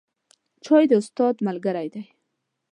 چای د استاد ملګری دی